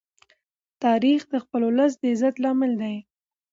تاریخ د خپل ولس د عزت لامل دی.